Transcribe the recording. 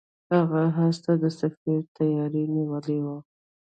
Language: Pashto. هغه اس ته د سفر تیاری نیولی و.